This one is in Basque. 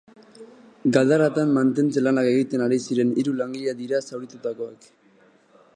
Galdaratan mantentze-lanak egiten ari ziren hiru langile dira zauritutakoak.